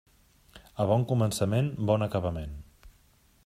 A bon començament, bon acabament.